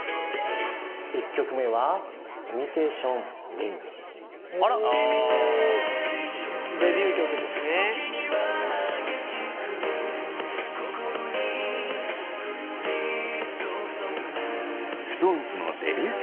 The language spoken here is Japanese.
１曲目は「ＩｍｉｔａｔｉｏｎＲａｉｎ時には激しく心に降り注ぐ」ＳｉｘＴＯＮＥＳのデビュー曲。